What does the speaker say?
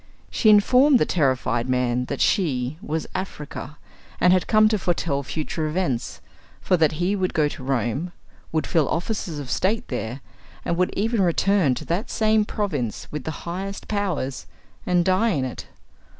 She informed the terrified man that she was "Africa," and had come to foretell future events; for that he would go to Rome, would fill offices of state there, and would even return to that same province with the highest powers, and die in it.